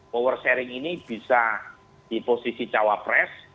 power sharing ini bisa di posisi cawapres